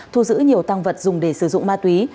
thu giữ nhiều tăng vật dùng để sử dụng ma túy